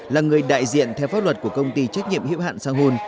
là người đại diện theo pháp luật của công ty trách nhiệm hữu hạn sang hun